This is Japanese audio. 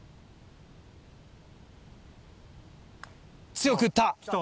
強く打った。